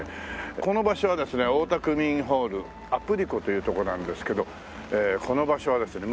この場所はですね大田区民ホール・アプリコという所なんですけどこの場所はですね